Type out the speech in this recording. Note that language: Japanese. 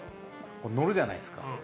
乗るじゃないですか。